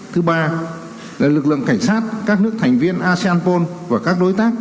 thứ ba là lực lượng cảnh sát các nước thành viên asean pol và các đối tác